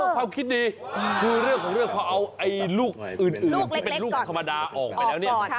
ความคิดดีคือเรื่องของเรื่องพอเอาลูกอื่นที่เป็นลูกธรรมดาออกไปแล้วเนี่ย